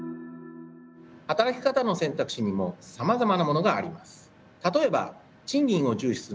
働き方の選択肢にもさまざまなものがあります。